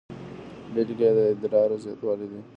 بیلګې یې د ادرار زیاتوالی دی.